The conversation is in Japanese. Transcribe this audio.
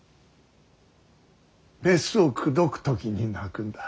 メスを口説く時に鳴くんだ。